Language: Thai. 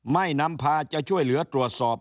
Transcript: นำพาจะช่วยเหลือตรวจสอบ